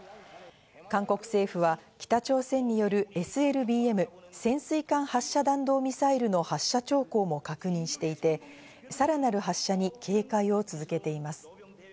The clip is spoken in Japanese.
韓国政府は北朝鮮によるＳＬＢＭ＝潜水艦発射弾道ミサイルの発射兆候も確認していて、さらなる発射に警戒を続けています。